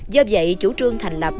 do vậy chủ trương thành lập